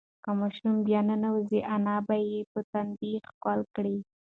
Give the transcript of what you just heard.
که ماشوم بیا ننوځي، انا به یې په تندي ښکل کړي.